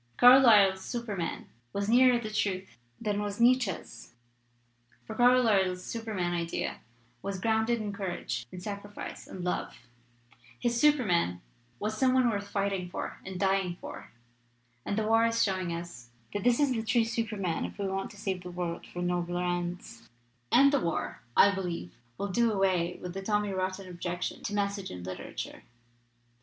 Carlyle's Superman was nearer the truth than was Nietz sche's, for Carlyle's Superman idea was grounded in courage and sacrifice and love; his Superman was some one worth fighting for and dying for. And the war is showing us that this is the true Superman, if we want to save the world for nobler ends. "And the war, I believe, will do away with the tommy rotten objection to 'message' in literature.